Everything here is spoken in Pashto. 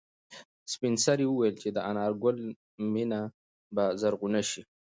سپین سرې وویل چې د انارګل مېنه به زرغونه شي.